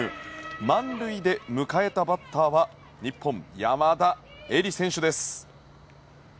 満塁で迎えたバッターは日本、山田恵里選手です。